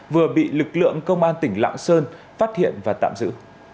vừa bị lực lượng công an tỉnh lạng sơn phát hiện và tạm giữ